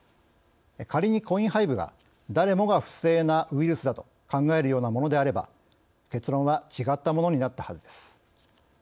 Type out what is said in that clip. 仮にコインハイブが誰もが不正なウイルスだと考えるようなものであれば結論は違ったものになったはずです。